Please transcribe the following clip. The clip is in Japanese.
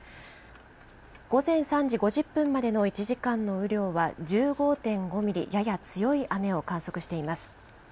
午前３時５０分までの１時間の雨量は、１５．５ミリ、やや強い雨を観測しています。